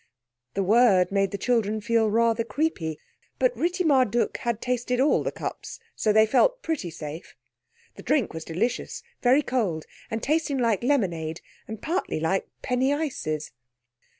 The word made the children feel rather creepy; but Ritti Marduk had tasted all the cups, so they felt pretty safe. The drink was delicious—very cold, and tasting like lemonade and partly like penny ices.